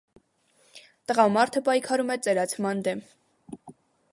Տղամարդը պայքարում է ծերացման դեմ։